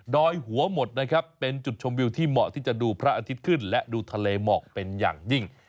หัวหมดนะครับเป็นจุดชมวิวที่เหมาะที่จะดูพระอาทิตย์ขึ้นและดูทะเลหมอกเป็นอย่างยิ่ง